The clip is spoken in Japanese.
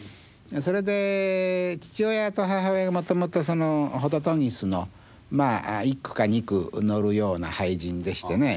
それで父親と母親がもともと「ホトトギス」の一句か二句載るような俳人でしてね。